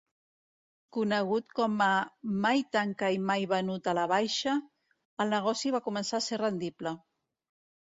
Conegut com a "mai tancat i mai venut a la baixa", el negoci va començar a ser rendible.